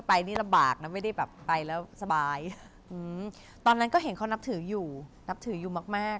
ไปนี่ลำบากนะไม่ได้แบบไปแล้วสบายอืมตอนนั้นก็เห็นเขานับถืออยู่นับถืออยู่มากมาก